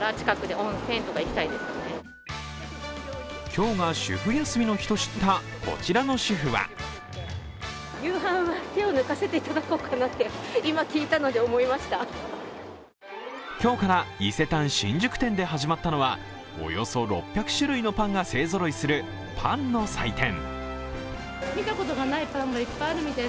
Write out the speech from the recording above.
今日が主婦休みの日と知った、こちらの主婦は今日から伊勢丹新宿店で始まったのはおよそ６００種類のパンが勢ぞろいするパンの祭典。